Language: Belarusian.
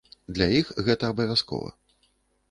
Для іх гэта абавязкова.